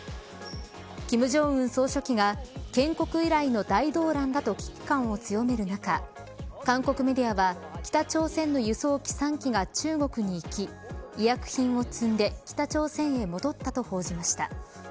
金正恩総書記が建国以来の大動乱だと危機感を強める中韓国メディアは北朝鮮の輸送機３機が中国に行き医薬品を積んで北朝鮮へ戻ったと報じました。